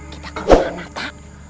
kita ke rumah nata